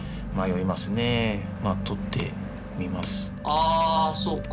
あそうか。